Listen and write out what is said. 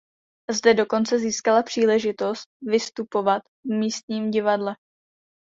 Zde dokonce získala příležitost vystupovat v místním divadle.